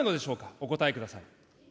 お答えください。